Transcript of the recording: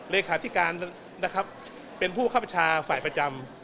เลขาธิการนะครับเป็นผู้คับประชาฝ่ายประจำ